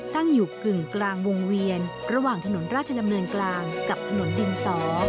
ตั้งอยู่กึ่งกลางวงเวียนระหว่างถนนราชดำเนินกลางกับถนนดินสอ